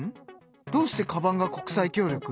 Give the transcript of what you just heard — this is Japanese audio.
どうしてカバンが国際協力？